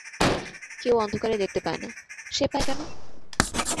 কেউ অন্ধকারে দেখতে পায় না, সে পায় কেন?